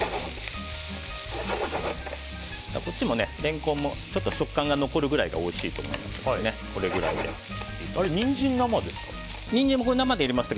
こっちのレンコンもちょっと食感が残るぐらいがおいしいと思いますのでニンジン、生ですか？